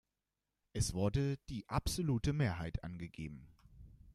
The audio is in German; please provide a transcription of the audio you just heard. Es wurde die absolute Mehrheit angegeben.